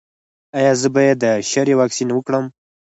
ایا زه باید د شري واکسین وکړم؟